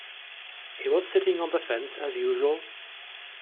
He was sitting on the fence, as usual.